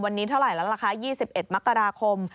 วันนี้เท่าไหร่แล้วล่ะคะ๒๑มกราคม